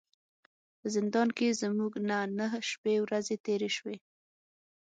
په زندان کې زموږ نه نهه شپې ورځې تیرې شوې.